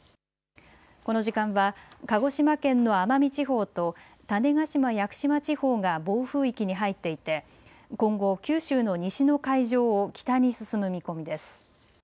この時間は鹿児島県の奄美地方と種子島・屋久島地方が暴風域に入っていて今後、九州の西の海上を北に進む見込みです。